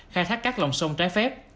khai thác các lòng sông trái phép